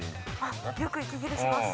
よく息切れします。